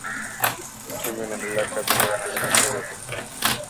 Uchumi unaendelea kukabiliwa na shinikizo kubwa